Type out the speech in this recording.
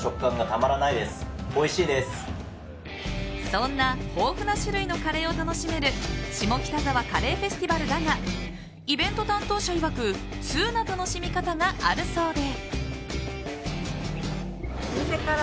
そんな豊富な種類のカレーを楽しめる下北沢カレーフェスティバルだがイベント担当者いわくツウな楽しみ方があるそうで。